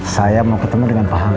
saya mau ketemu dengan pak halo